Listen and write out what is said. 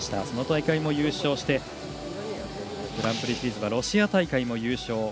その大会も優勝してグランプリシリーズはロシア大会も優勝。